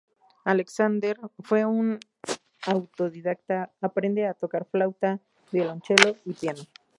Alexander fue un autodidacta, aprende a tocar flauta, violonchelo y piano.